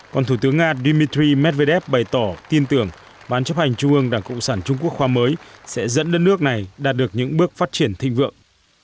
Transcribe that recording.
còn thủ tướng nga dmitry medvedev bày tỏ tin tưởng ban chấp hành trung ương đảng cộng sản trung quốc khoa mới sẽ dẫn đất nước này đạt được những bước phát triển thịnh vượng